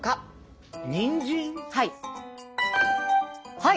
はい。